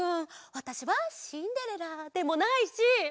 わたしはシンデレラでもないし！